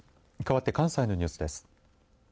かわって関西のニュースです。